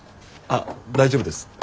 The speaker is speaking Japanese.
あっ大丈夫です。